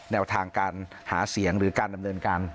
แนวทางการหาเสียงหรือการดำเนินการ